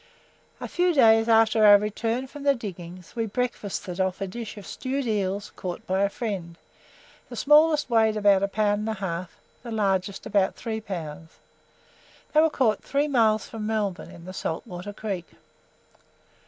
A few days after our return from the diggings, we breakfasted off a dish of stewed eels, caught by a friend; the smallest weighed about a pound and a half, the largest about three pounds. They were caught three miles from Melbourne, in the Salt Water Creek.